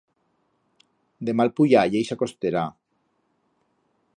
De mal puyar ye ixa costera.